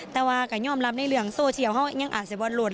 แต่ว่าก็ยอมรับว่าโซเชียลยังอาศัยบวณรวด